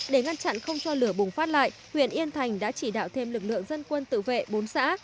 để ngăn chặn không cho lửa bùng phát lại huyện yên thành đã chỉ đạo thêm lực lượng dân quân tự vệ bốn xã